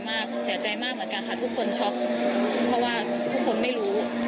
เสียใจมากเหมือนกันค่ะทุกคนช็อกเพราะว่าทุกคนไม่รู้